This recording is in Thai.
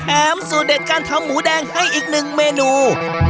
สูตรเด็ดการทำหมูแดงให้อีกหนึ่งเมนู